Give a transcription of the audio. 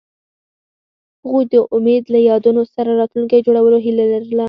هغوی د امید له یادونو سره راتلونکی جوړولو هیله لرله.